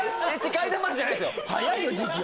怪談話じゃないですよ